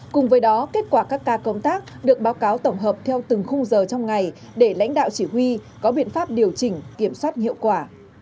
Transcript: cùng với đó kết quả các ca công tác được báo cáo tổng hợp theo từng khung giờ trong ngày để lãnh đạo chỉ huy có biện pháp điều chỉnh kiểm soát hiệu quả